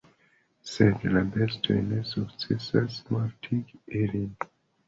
Sed la bestoj ne sukcesas mortigi ilin.